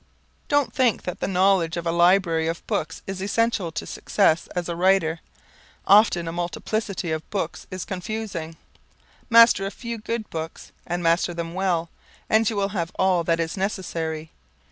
Don't think that the knowledge of a library of books is essential to success as a writer. Often a multiplicity of books is confusing. Master a few good books and master them well and you will have all that is necessary.